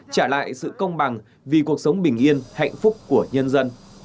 trả lại sự công bằng vì cuộc sống bình yên hạnh phúc của nhân dân